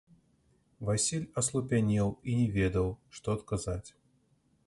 Васіль аслупянеў і не ведаў, што адказаць.